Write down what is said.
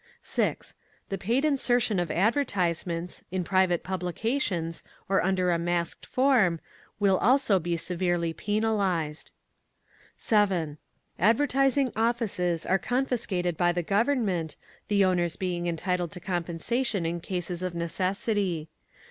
6. The paid insertion of advertisements…. in private publications, or under a masqued form, will also be severely penalised. 7. Advertising offices are confiscated by the Government, the owners being entitled to compensation in cases of necessity.